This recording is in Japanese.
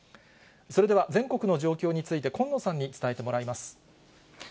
それでは全国の状況について、近野さんに伝えてもらいます。